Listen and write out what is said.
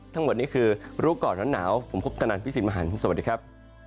ทั้งหมดนี้คือรู้ก่อนร้อนหนาวผมคุปตนันพี่สิทธิมหันฯสวัสดีครับ